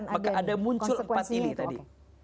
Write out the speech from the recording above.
maka ada muncul empat ini tadi